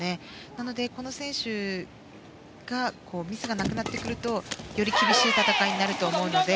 なので、この選手にミスがなくなってくるとより厳しい戦いになると思うので。